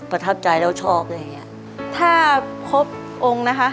ประทับใจแล้วชอบอะไรอย่างเงี้ยถ้าพบองค์นะคะ